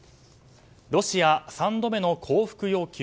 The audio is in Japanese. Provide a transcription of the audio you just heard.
ロシア３度目の降伏要求